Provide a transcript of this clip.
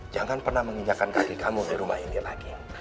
jangan pernah menginjakan kaki kamu di rumah ini lagi